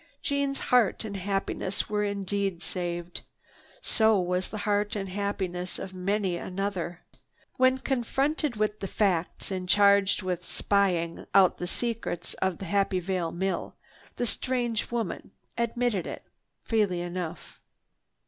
Jeanne's heart and happiness were indeed saved. So was the heart and happiness of many another. When, confronted with the facts and charged with spying out the secrets of the Happy Vale mill, the strange woman admitted it freely enough.